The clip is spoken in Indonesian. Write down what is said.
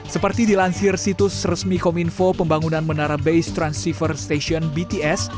seperti dilansir situs resmi kominfo pembangunan menara base transceiver station bts